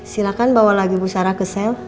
silahkan bawa lagi bu sarah ke sel